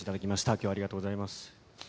きょうはありがとうございます。